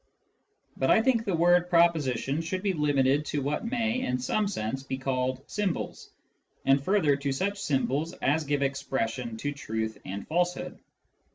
But I think the word " proposition " should be limited to what may, in some sense, be called " symbols," and further to such symbols as give expression to truth and falsehood.